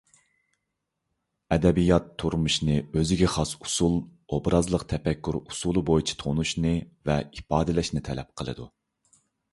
ئەدەبىيات تۇرمۇشنى ئۆزىگە خاس ئۇسۇل – ئوبرازلىق تەپەككۇر ئۇسۇلى بويىچە تونۇشنى ۋە ئىپادىلەشنى تەلەپ قىلىدۇ.